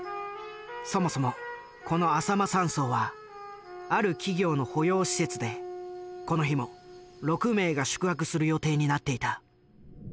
そもそもこのあさま山荘はある企業の保養施設でこの日も６名が宿泊する予定になっていた。